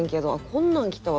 こんなん来たわ。